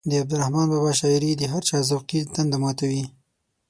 د عبدالرحمان بابا شاعري د هر چا ذوقي تنده ماتوي.